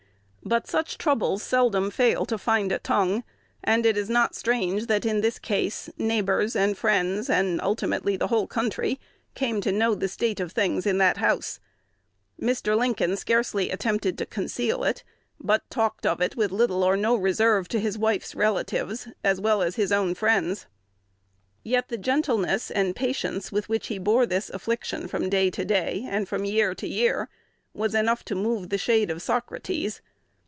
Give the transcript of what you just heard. But such troubles seldom fail to find a tongue; and it is not strange, that, in this case, neighbors and friends, and ultimately the whole country, came to know the state of things in that house. Mr. Lincoln scarcely attempted to conceal it, but talked of it with little or no reserve to his wife's relatives, as well as his own friends. Yet the gentleness and patience with which he bore this affliction from day to day, and from year to year, was enough to move the shade of Socrates.